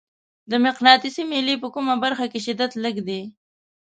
د مقناطیسي میلې په کومه برخه کې شدت لږ دی؟